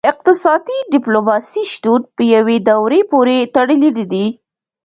د اقتصادي ډیپلوماسي شتون په یوې دورې پورې تړلی نه دی